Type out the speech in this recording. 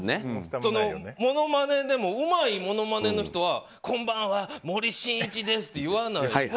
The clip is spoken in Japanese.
ものまねでもうまいものまねの人はこんばんは、森進一ですって言わない。